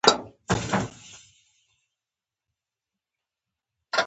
دواړه نیم بیتي مساوي سېلابونه لري.